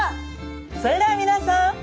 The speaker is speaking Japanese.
それでは皆さん。